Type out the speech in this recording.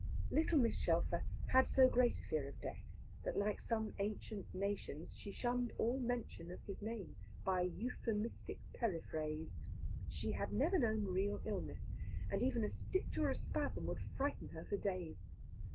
Little Mrs. Shelfer had so great a fear of death, that like some ancient nations she shunned all mention of his name, by euphemistic periphrase. She had never known real illness, and even a stitch or a spasm would frighten her for days.